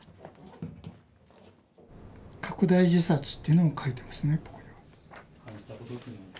拡大自殺っていうのを書いてますね。